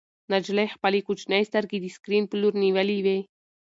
نجلۍ خپلې کوچنۍ سترګې د سکرین په لور نیولې وې.